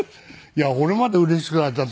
いや俺までうれしくなっちゃって。